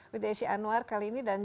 desi anwar kali ini dan